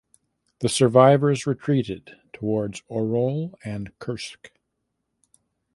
The survivors retreated towards Oryol and Kursk.